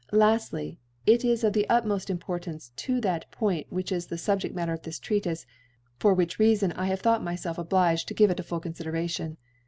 Laftly, it is of the ut iTioft Importance to that Point which is the Subjedl Matter of this Treatife, for which Reafon I have thought myfelf obliged te give it a full Confideration.